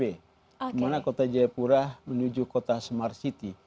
dimana kota jayapura menuju kota smart city